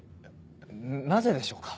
なぜでしょうか？